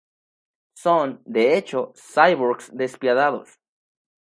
Son, de hecho, cyborgs despiadados.